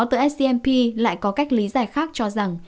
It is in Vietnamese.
từ scmp lại có cách lý giải khác cho rằng